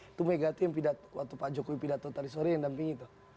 itu megawati yang pidato waktu pak jokowi pidato tadi sore yang dampingi itu